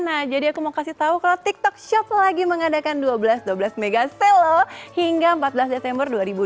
nah jadi aku mau kasih tau kalau tiktok shop lagi mengadakan dua belas dua belas m sale hingga empat belas desember dua ribu dua puluh